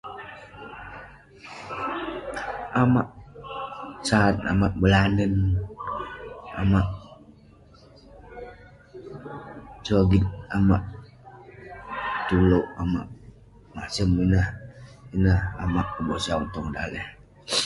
Amak sat, amak belanen, amak sogit, amak, [unintelligible] amak masem ineh. Ineh amak kebosau amik tong daleh.